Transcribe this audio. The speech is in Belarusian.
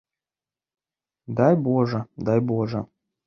Дай божа, дай божа!